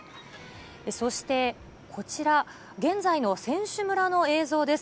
そしてこちら、現在の選手村の映像です。